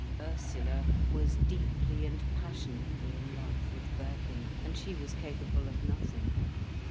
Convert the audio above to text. Ursula was deeply and passionately in love with Birkin, and she was capable of nothing.